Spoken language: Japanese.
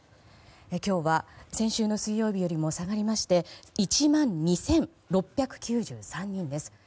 今日は先週の水曜日より下がりまして１万２６９３人です。